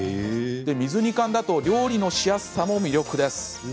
水煮缶だと料理のしやすさも魅力です。